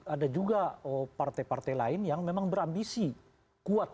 ada juga partai partai lain yang memang berambisi kuat